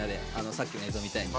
さっきの映像みたいに。